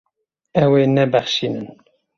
Ew ê nebexşînin.